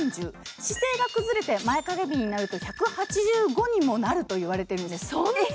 姿勢が崩れて前かがみになると１８５にもなると言われているんです。